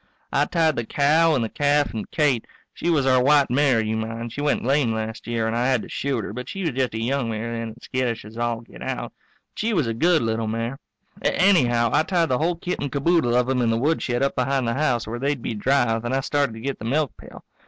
I tied the cow and the calf and Kate she was our white mare; you mind she went lame last year and I had to shoot her, but she was just a young mare then and skittish as all get out but she was a good little mare. Anyhow, I tied the whole kit and caboodle of them in the woodshed up behind the house, where they'd be dry, then I started to get the milkpail.